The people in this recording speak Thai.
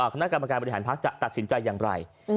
คณะกรรมการบริหารภักดิ์จะตัดสินใจอย่างไร